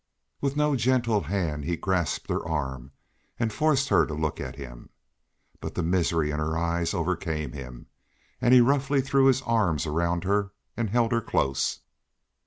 With no gentle hand he grasped her arm and forced her to look at him. But the misery in her eyes overcame him, and he roughly threw his arms around her and held her close.